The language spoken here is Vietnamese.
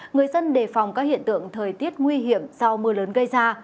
người dân đề phòng các hiện tượng thời tiết nguy hiểm do mưa lớn gây ra